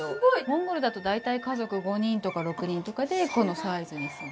モンゴルだと大体家族５人とか６人とかでこのサイズに住んでるんです。